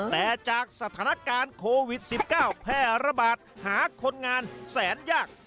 แต่จากสถานการณ์โควิด๑๙แพร่ระบาดหาคนงานแสนยาก